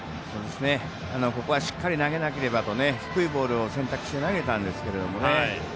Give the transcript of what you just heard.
ここはしっかり投げなければと低いボールを選択して投げたんですけどね。